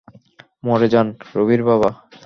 মরে যান, রুবির বাবা!